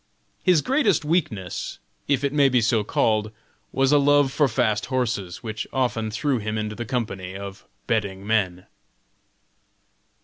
His greatest weakness if it may be so called was a love for fast horses, which often threw him into the company of betting men.